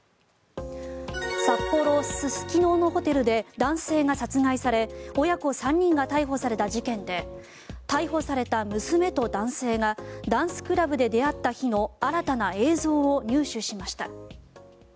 札幌・すすきののホテルで男性が殺害され親子３人が逮捕された事件で逮捕された娘と男性がダンスクラブで出会った日の新たな映像を入手しました。